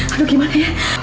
aduh gimana ya